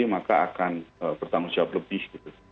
maka akan bertanggung jawab lebih gitu